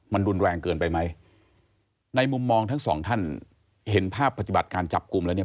มันรุนแรงเกินไปไหมในมุมมองทั้งสองท่านเห็นภาพปฏิบัติการจับกลุ่มแล้วเนี่ย